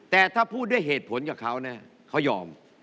แต่ถ้าพูดด้วยเหตุผลกับเขานะเขายอม